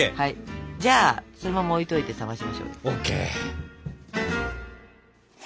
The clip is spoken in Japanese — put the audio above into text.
じゃあそのまま置いといて冷ましましょう。